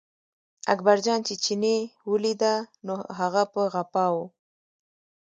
اکبرجان چې چیني ولیده، نو هغه په غپا و.